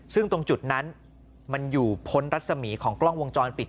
ซึ่งตรงจุดนั้นมันอยู่พ้นรัศมีของกล้องวงจรปิด